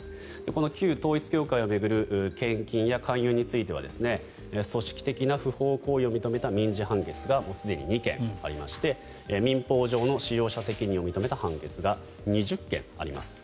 この旧統一教会を巡る献金や勧誘については組織的な不法行為を認めた民事判決がすでに２件ありまして民法上の使用者責任を認めた判決が２０件あります。